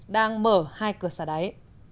đang mở hai cửa xà đáy